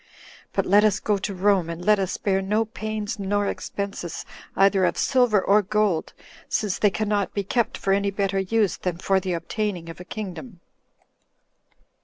But let us go to Rome, and let us spare no pains nor expenses, either of silver or gold, since they cannot be kept for any better use than for the obtaining of a kingdom."